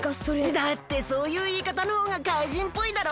だってそういういいかたのほうがかいじんっぽいだろ？